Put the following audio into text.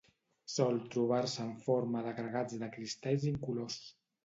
Sol trobar-se en forma d'agregats de cristalls incolors.